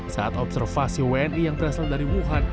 saat observasi wni yang berasal dari wuhan